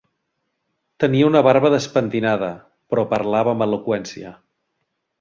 Tenia una barba despentinada, però parlava amb eloqüència.